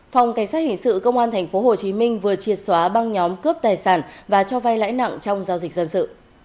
phòng cảnh sát hình sự công an tp hcm vừa triệt xóa băng nhóm cướp tài sản và cho vay lãi nặng trong giao dịch dân sự